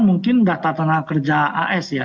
mungkin data tenaga kerja as ya